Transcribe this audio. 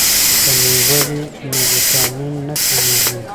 که میوه وي نو ویټامین نه کمیږي.